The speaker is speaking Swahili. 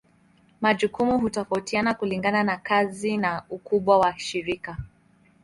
Majukumu hutofautiana kulingana na kazi na ukubwa wa shirika.